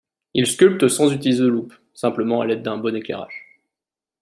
Il sculpte sans utiliser de loupes, simplement à l'aide d'un bon éclairage.